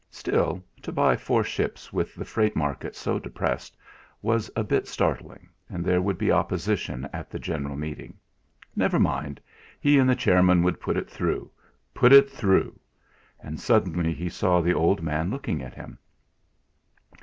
Still, to buy four ships with the freight market so depressed was a bit startling, and there would be opposition at the general meeting. Never mind! He and the chairman could put it through put it through. And suddenly he saw the old man looking at him.